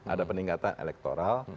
ada peningkatan elektoral